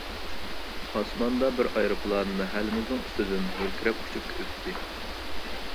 ئاسماندا بىر ئايروپىلان مەھەللىمىزنىڭ ئۈستىدىن ھۆركىرەپ ئۇچۇپ ئۆتتى.